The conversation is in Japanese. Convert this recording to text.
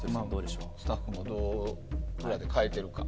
スタッフがどう変えてるか。